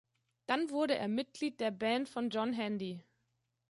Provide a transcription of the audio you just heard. Dann wurde er Mitglied der Band von John Handy.